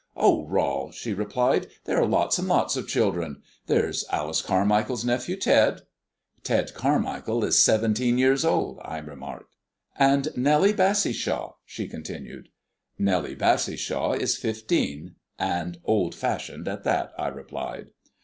"Oh, Rol," she replied, "there are lots and lots of children. There's Alice Carmichael's nephew, Ted " "Ted Carmichael is seventeen years old," I remarked. "And Nellie Bassishaw," she continued. "Nellie Bassishaw is fifteen, and old fashioned at that," I replied.